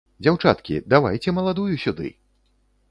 Дзяўчаткі, давайце маладую сюды.